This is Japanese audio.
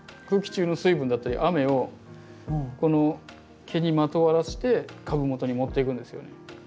空気中の水分だったり雨をこの毛にまとわらして株元に持っていくんですよね。